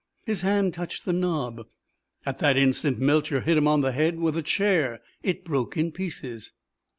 His hand touched the knob. At that instant Melcher hit him on the head with a chair. It broke in pieces.